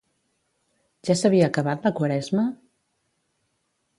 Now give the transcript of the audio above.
Ja s'havia acabat la Quaresma?